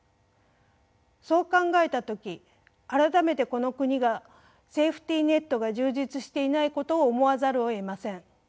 そう考えた時改めてこの国がセーフティーネットが充実していないことを思わざるをえません。